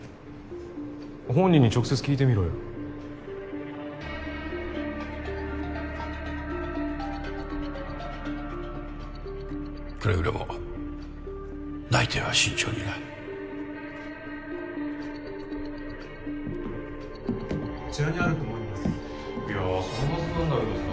本人に直接聞いてみろよくれぐれも内偵は慎重にな・こちらにあると思います・